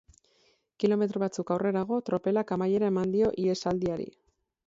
Kilometro batzuk aurrerago, tropelak amaiera eman dio ihesaldiari.